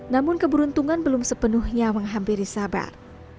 namun keberuntungan belum sepenuhnya menghampiri sabar